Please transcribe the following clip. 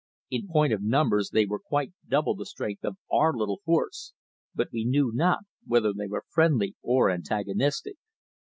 In point of numbers they were quite double the strength of our little force, but we knew not whether they were friendly or antagonistic.